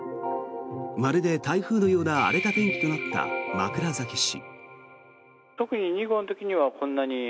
まるで台風のような荒れた天気となった枕崎市。